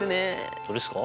本当ですか？